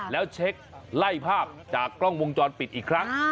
แล้วเช็คไล่ภาพจากกล้องวงจรปิดอีกครั้ง